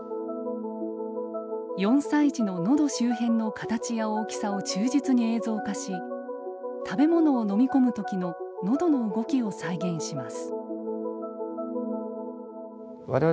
４歳児ののど周辺の形や大きさを忠実に映像化し食べ物を飲み込む時ののどの動きを再現します。